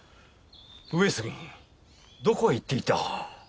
上杉どこへ行っていた？